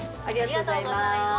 ありがとうございます。